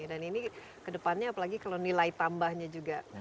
dan ini kedepannya apalagi kalau nilai tambahnya juga